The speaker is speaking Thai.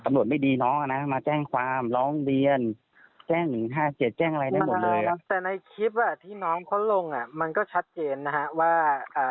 ตำลดไม่ดีน้องอะนะมาแจ้งความร้องเรียนแจ้งหนึ่งห้าเจ็ดแจ้งอะไรได้หมดเลยแต่ในคลิปอ่ะที่น้องเขาลงอ่ะมันก็ชัดเจนนะฮะว่าอ่า